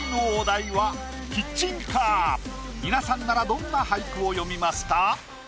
皆さんならどんな俳句を詠みますか？